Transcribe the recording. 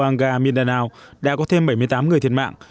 manga mindanao đã có thêm bảy mươi tám người thiệt mạng